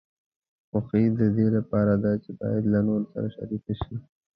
خوښي د دې لپاره ده چې باید له نورو سره شریکه شي.